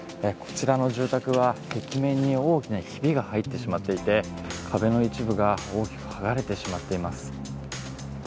こちらの住宅は壁面に大きなひびが入ってしまっていて、壁の一部が大きくはがれてしまっています。